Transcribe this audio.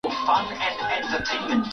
Imehatarisha vyanzo vyao